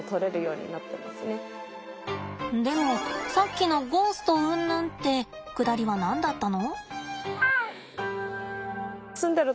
でもさっきのゴーストうんぬんってくだりは何だったの？